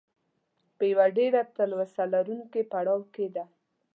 په یوه ډېره تلوسه لرونکي پړاو کې ده.